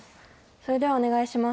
それではお願いします。